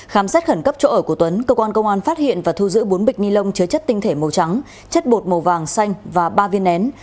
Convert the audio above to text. khám xét khẩn cấp chỗ ở của tuấn công an phát hiện và thu giữ bốn bịch nilon chứa chất tinh thể màu trắng chất bột màu vàng xanh và ba viên nén